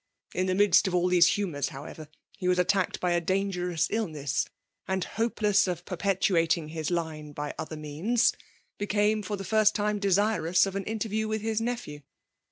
In> the midst of all these humours, however^ he^. was attacked by a dangerous iUness ; and hope* less of perpetimting his line, by other means, became for the first time desirous of an intcff*. ^iew with his nephew.